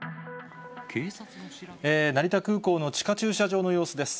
成田空港の地下駐車場の様子です。